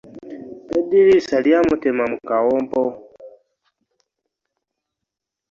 Eddirisa lya mutema mu kawompo.